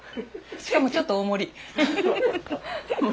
しかもちょっと大盛り。